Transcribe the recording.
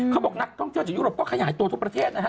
เขาบอกนักท่องเที่ยวจากยุโรปก็ขยายตัวทุกประเทศนะฮะ